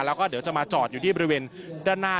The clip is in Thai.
แล้วก็เดี๋ยวจะมาจอดอยู่ที่บริเวณด้านหน้า